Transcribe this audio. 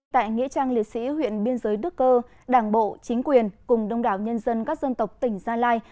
tại nghĩa trang liệt sĩ huyện biên giới đức cơ đảng bộ chính quyền cùng đông đảo nhân dân các dân tộc tỉnh gia lai